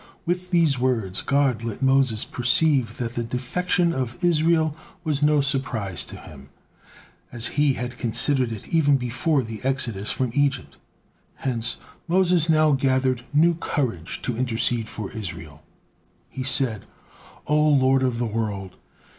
With these words, God let Moses perceive that the defection of Israel was no surprise to Him, as He had considered it even before the exodus from Egypt; hence Moses now gathered new courage to intercede for Israel. He said: "O Lord of the world!